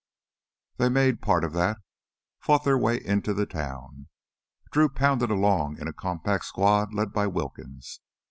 They made part of that ... fought their way into the town. Drew pounded along in a compact squad led by Wilkins.